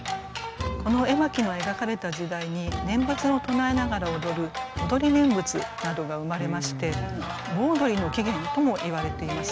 この絵巻の描かれた時代に念仏を唱えながら踊る「踊り念仏」などが生まれまして盆踊りの起源ともいわれています。